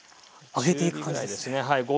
揚げていく感じですね。